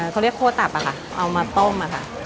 เค้าเรียกโค้ดตับอ่ะค่ะเอามาต้มอ่ะค่ะ